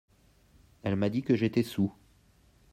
Elle m’a dit que j’étais saoul.